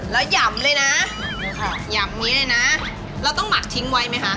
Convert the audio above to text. แล้วหย่ำเลยนะหย่ำอย่างนี้เลยนะเราต้องหมักทิ้งไว้ไหมคะ